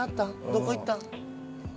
どこ行ったん？